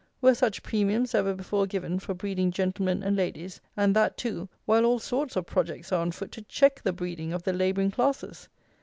Were such premiums ever before given for breeding gentlemen and ladies, and that, too, while all sorts of projects are on foot to check the breeding of the labouring classes?